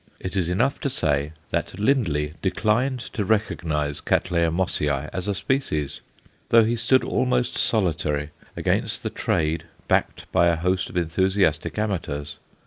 It is enough to say that Lindley declined to recognize C. Mossiæ as a species, though he stood almost solitary against "the trade," backed by a host of enthusiastic amateurs.